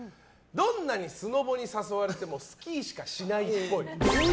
どんなスノボに誘われてもスキーしかしないっぽい。